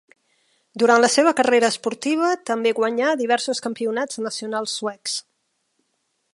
Durant la seva carrera esportiva també guanyà diversos campionats nacionals suecs.